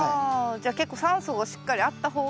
じゃあ結構酸素がしっかりあった方が。